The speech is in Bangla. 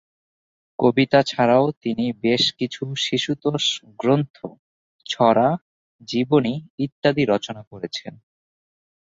কবিতা ছাড়াও তিনি বেশ কিছু শিশুতোষ গ্রন্থ, ছড়া, জীবনী ইত্যাদি রচনা করেছেন।